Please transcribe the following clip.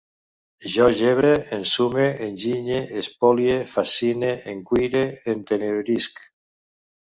Jo gebre, ensume, enginye, espolie, fascine, encuire, entenebrisc